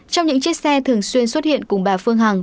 trong những chiếc xe thường xuyên xuất hiện cùng bà phương hằng